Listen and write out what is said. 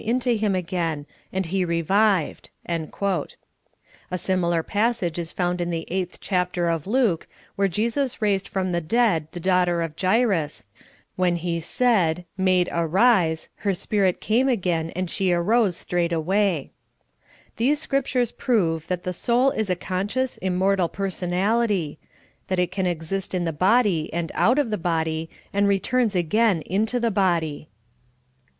into him again, and he re vived. '' A similar passage is found in the 8th chapter of Luke, where Jesus raised from the dead the daugh ter of Jairus, when He said :" Maid, arise ; her spirit came again, and she arose straightwa}^ '' These Script ures prove that the soul is a conscious, immortal per sonalit}'^ ; that it can exist in the bod} and out of the body, and returns again into the bod}'.